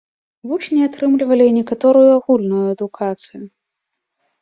Вучні атрымлівалі і некаторую агульную адукацыю.